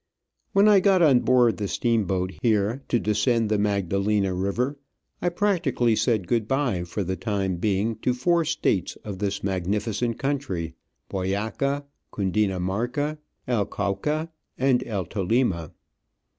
When I got on board the steamboat here to descend the Magdalena river, I practically said good bye for the time being to four States of this magnificent country — Boyaca, Cundinamarca, El Cauca, and El Tolima.